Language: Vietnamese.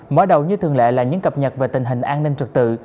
mở đầu như thường lệ là những cập nhật về tình hình an ninh trật tự